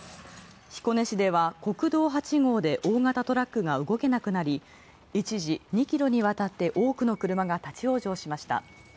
彦根市では国道８号で大型トラックが動けなくなり一時２キロにわたって多くの車が立ち往生しました。